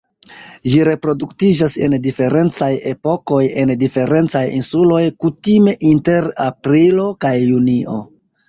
Ĝi reproduktiĝas en diferencaj epokoj en diferencaj insuloj, kutime inter aprilo kaj junio.